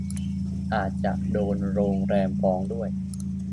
อาจโดนโรงแรมฟ้องด้วย